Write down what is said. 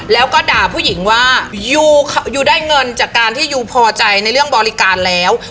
แล้วก็ด่าผู้หญิงว่ายูได้เงินจากการที่ยูพอใจในเรื่องบริการแล้ว